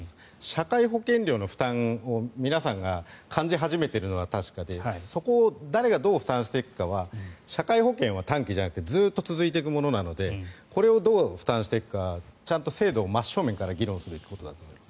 社会保険料の負担を皆さんが感じ始めているのは確かでそこを誰がどう負担していくかは社会保険は短期じゃなくてずっと続いていくものなのでこれをどう負担していくかちゃんと制度を真正面から議論すべきだと思います。